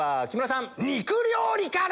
肉料理から！